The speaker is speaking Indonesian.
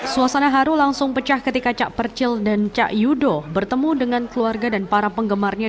suasana haru langsung pecah ketika cak percil dan cak yudo bertemu dengan keluarga dan para penggemarnya